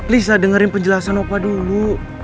lisa dengerin penjelasan opa dulu